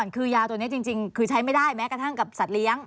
คือยาตัวนี้จริงคือใช้ไม่ได้แม้กระทั่งกับสัตว์เลี้ยง